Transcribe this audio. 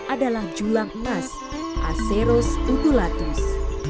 adalah julang emas aceros udulatus